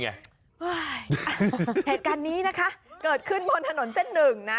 เหตุการณ์นี้นะคะเกิดขึ้นบนถนนเส้นหนึ่งนะ